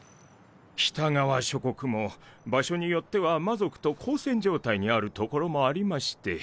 北側諸国も場所によっては魔族と交戦状態にある所もありまして。